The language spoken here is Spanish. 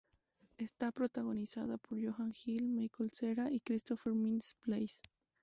Está protagonizada por Jonah Hill, Michael Cera y Christopher Mintz-Plasse.